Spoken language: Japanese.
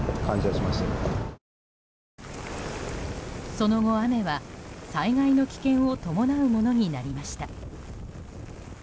その後、雨は災害の危険を伴うものになりました。